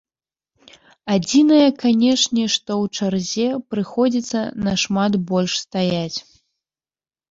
Адзінае, канешне, што ў чарзе прыходзіцца нашмат больш стаяць.